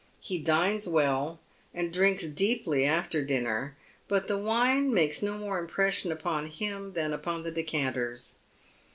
He dines well, and drinks deeply after dinner, but the wine makes no more impression upon him than upon the decanters.